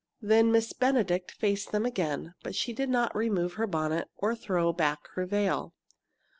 Then Miss Benedict faced them again, but she did not remove her bonnet or throw back her veil.